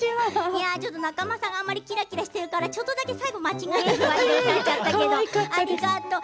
いやあ、仲間さんがあんまりキラキラしてるからちょっとだけ最後間違えちゃったけどありがとう。